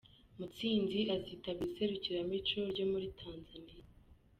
Mutsinzi azitabira iserukiramuco ryo muri Tanzaniya